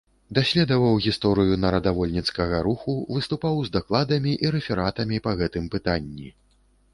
Даследаваў гісторыю нарадавольніцкага руху, выступаў з дакладамі і рэфератамі па гэтым пытанні.